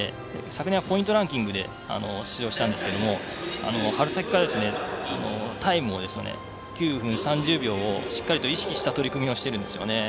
昨年はポイントランキングで出場したんですけど、春先からタイムを９分３０秒をしっかりと意識した取り組みをしているんですよね。